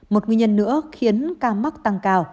một nguyên nhân nữa khiến ca mắc tăng cao